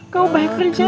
kamu balik kerjaan